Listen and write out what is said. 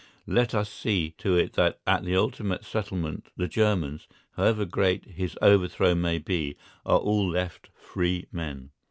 Let us see to it that at the ultimate settlement the Germans, however great his overthrow may be, are all left free men.